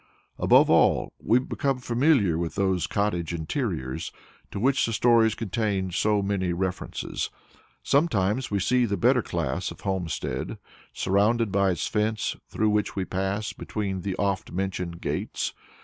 Above all we become familiar with those cottage interiors to which the stories contain so many references. Sometimes we see the better class of homestead, surrounded by its fence through which we pass between the often mentioned gates.